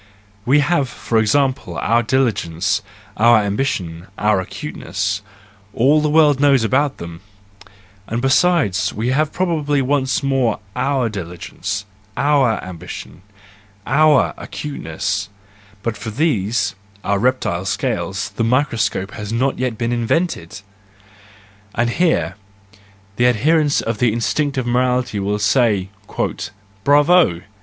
We have, for example, our diligence, our ambition, our acuteness: all the world knows about them,—and besides, we have probably once more our diligence, our ambition, our acuteness; but for these—our reptile scales—the microscope has not yet been invented !—And here the adherents of instinctive morality will say, "Bravo!